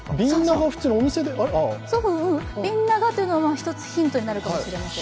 ビンナガというのが１つヒントになるかもしれません。